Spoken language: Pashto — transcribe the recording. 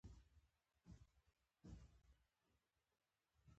دی وايي چي زه يم فيصلې دي وي